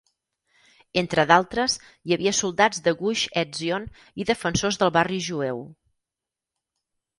Entre d'altres hi havia soldats de Gush Etzion i defensors del barri jueu.